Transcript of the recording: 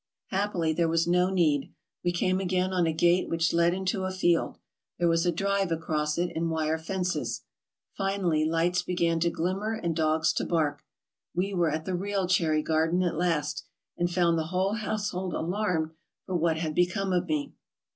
Happily there was no need ; we came again on a gate which led into a field. There was a drive across it and wire fences. Finally lights began to glimmer and dogs to bark ; we were at the real Cherry Garden at last, and found the whole household alarmed for what had become of us.